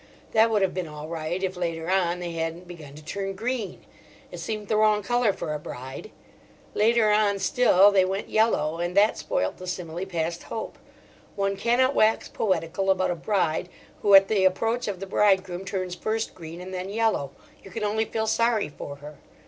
That would have been all right if later on they hadn't begun to turn green: it seemed the wrong colour for a bride. Later on still they went yellow, and that spoilt the simile past hope. One cannot wax poetical about a bride who at the approach of the bridegroom turns first green and then yellow: you can only feel sorry for her.